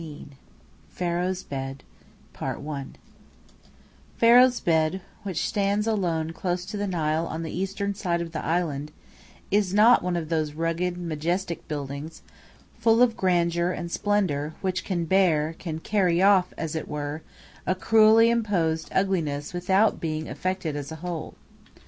XVII "PHARAOH'S BED" "Pharaoh's Bed," which stands alone close to the Nile on the eastern side of the island, is not one of those rugged, majestic buildings, full of grandeur and splendor, which can bear, can "carry off," as it were, a cruelly imposed ugliness without being affected as a whole.